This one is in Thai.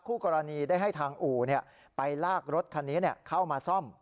กรณีได้ให้ทางอู่ไปลากรถคันนี้เข้ามาซ่อม